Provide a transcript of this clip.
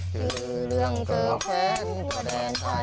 ชื่อเรื่องโภคแพร่งต่อแดนไทย